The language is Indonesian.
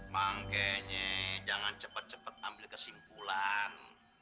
makanya jangan cepat cepat ambil kesimpulan